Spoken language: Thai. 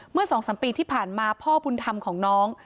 เมื่อ๒๓ปีที่ผ่านมาพ่อบุญธรรมของน้อง